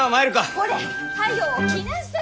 ほれ早う来なされ！